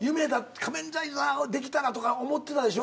仮面ライダーができたらとか思ってたでしょ？